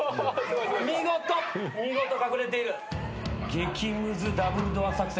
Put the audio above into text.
激ムズダブルドア作戦。